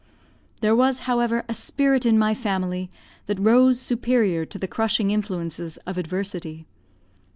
There was, however, a spirit in my family that rose superior to the crushing influences of adversity.